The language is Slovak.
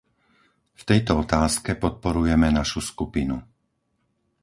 V tejto otázke podporujeme našu skupinu.